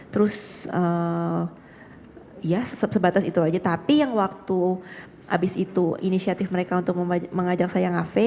terus ya sebatas itu aja tapi yang waktu habis itu inisiatif mereka untuk mengajak saya kafe